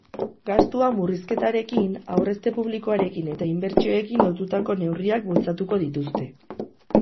Gastua murriztearekin, aurrezte publikoarekin eta inbertsioekin lotutako neurriak bultzatuko dituzte.